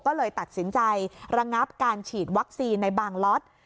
ก็เลยตัดสินใจระงับการฉีดวัคซีนในบางล็อต